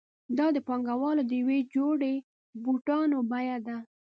دا د پانګوال د یوې جوړې بوټانو بیه ده